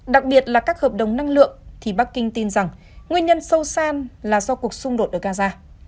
đặc biệt là các hợp đồng năng lượng thì bắc kinh tin rằng nguyên nhân sâu xa là do cuộc xung đột ở gaza